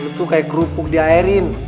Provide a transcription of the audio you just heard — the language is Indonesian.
lo tuh kayak kerupuk diaerin